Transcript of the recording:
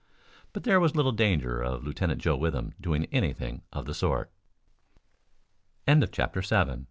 But there was little danger of Lieutenant Joe Withem doing anything of the sort, CHAPTER VIII A MUCH